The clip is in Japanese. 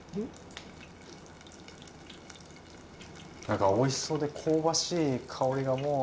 なんかおいしそうで香ばしい香りがもう。